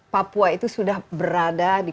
papua itu sudah berada di